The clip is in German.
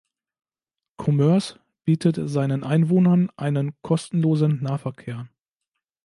Commerce bietet seinen Einwohnern einen kostenlosen Nahverkehr.